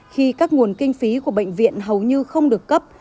khi các nguồn kinh phí của bệnh viện hầu như không được cấp